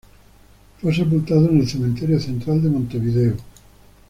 Fue sepultado en el Cementerio Central de Montevideo.